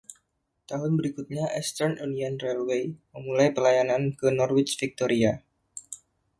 Tahun berikutnya Eastern Union Railway memulai pelayanan ke Norwich Victoria.